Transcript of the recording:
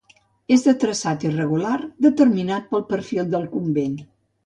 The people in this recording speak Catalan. És de traçat irregular, determinat pel perfil del convent.